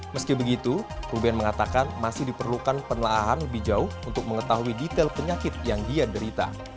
meski begitu ruben mengatakan masih diperlukan penelaahan lebih jauh untuk mengetahui detail penyakit yang dia derita